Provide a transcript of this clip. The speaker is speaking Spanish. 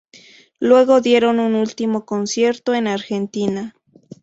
Luego dieron un último concierto en Argentina.